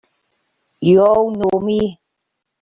You all know me!